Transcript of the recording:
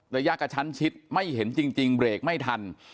ระยะกระชั้นชิดไม่เห็นจริงเบรกไม่ทัน